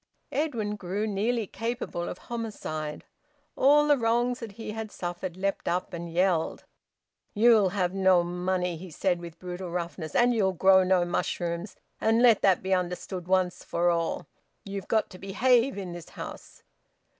Edwin grew nearly capable of homicide. All the wrongs that he had suffered leaped up and yelled. "You'll have no money!" he said, with brutal roughness. "And you'll grow no mushrooms! And let that be understood once for all! You've got to behave in this house."